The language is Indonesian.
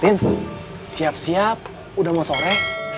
tim siap siap udah mau sore